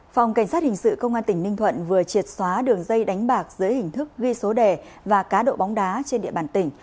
phòng cảnh sát hình sự công an tỉnh ninh thuận vừa triệt xóa đường dây đánh bạc dưới hình thức ghi số đề và cá độ bóng đá trên địa bàn tỉnh